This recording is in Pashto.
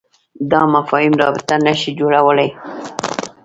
دا مفاهیم رابطه نه شي جوړولای.